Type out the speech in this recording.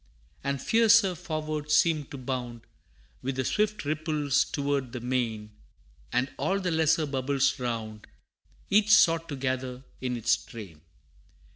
And fiercer forward seemed to bound, With the swift ripples toward the main; And all the lesser bubbles round, Each sought to gather in its train.